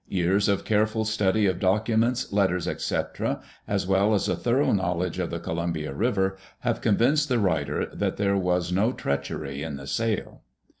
Years of careful study of documents, letters, etc., as well as a thorough knowledge of the G)lumbia River, have convinced the writer that there was no treachery in the sale.